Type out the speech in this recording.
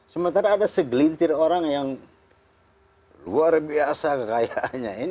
sementara ada segelintir orang yang luar biasa kekayaannya